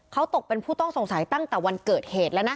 เขาตกเป็นผู้ต้องสงสัยตั้งแต่วันเกิดเหตุแล้วนะ